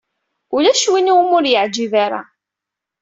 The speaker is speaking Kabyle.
Ulac win umi ur yeɛjib ara.